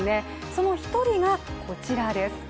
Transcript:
その１人がこちらです。